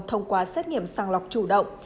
thông qua xét nghiệm sàng lọc chủ động